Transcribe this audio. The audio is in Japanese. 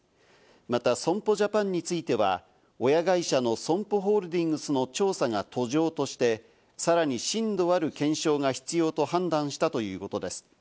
また損保ジャパンについては、親会社のＳＯＭＰＯホールディングスの調査が途上として、さらに深度ある検証が必要と判断したということです。